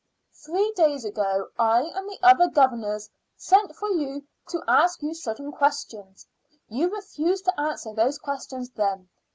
"Three days ago I and the other governors sent for you to ask you certain questions. You refused to answer those questions then.